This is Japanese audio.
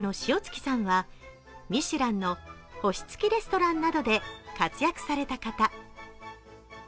オーナーの塩月さんは「ミシュラン」の星付きレストランなどで活躍された方。